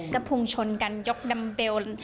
ก็ภูมิชนกันยกดำเบล